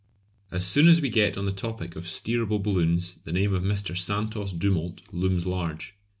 As soon as we get on the topic of steerable balloons the name of Mr. Santos Dumont looms large.